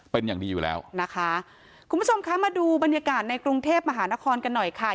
เป็นอย่างดีอยู่แล้วนะคะคุณผู้ชมคะมาดูบรรยากาศในกรุงเทพมหานครกันหน่อยค่ะ